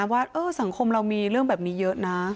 ว่าสังคมเรามีเรื่องแบบนี้เยอะนะ